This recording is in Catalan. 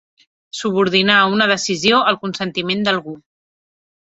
Subordinar una decisió al consentiment d'algú.